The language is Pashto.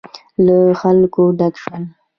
له خلکو ډک شول.